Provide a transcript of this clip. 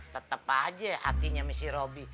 tetep aja hatinya si roby